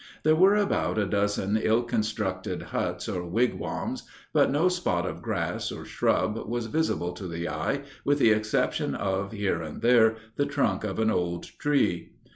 There were about a dozen ill constructed huts, or wigwams; but no spot of grass, or shrub, was visible to the eye, with the exception of, here and there, the trunk of an old tree.